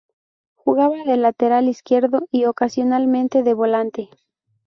Jugaba de lateral izquierdo y ocasionalmente de volante.